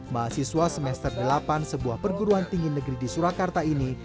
mahasiswa semester delapan sebuah perguruan tinggi negeri di surakarta ini